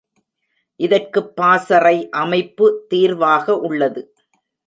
இதற்குப் பாசறை அமைப்பு தீர்வாக உள்ளது.